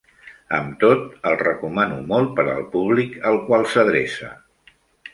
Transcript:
Amb tot, el recomano molt per al públic al qual s'adreça.